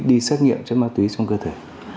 đi xét nghiệm trái phép chất ma túy trong cơ thể